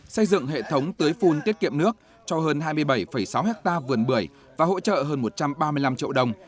xây dựng hệ thống tưới phun tiết kiệm nước cho hơn hai mươi bảy sáu ha vườn bưởi và hỗ trợ hơn một trăm ba mươi năm triệu đồng